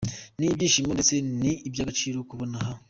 Ni ibyishimo ndetse ni ibyagaciro kubona H.